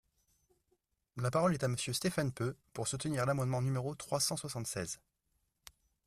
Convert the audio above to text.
La parole est à Monsieur Stéphane Peu, pour soutenir l’amendement numéro trois cent soixante-seize.